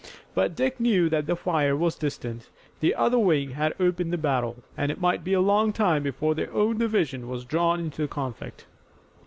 But Dick knew that the fire was distant. The other wing had opened the battle, and it might be a long time before their own division was drawn into the conflict.